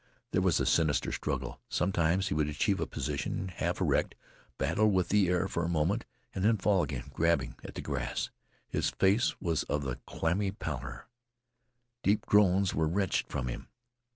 There was a sinister struggle. Sometimes he would achieve a position half erect, battle with the air for a moment, and then fall again, grabbing at the grass. His face was of a clammy pallor. Deep groans were wrenched from him.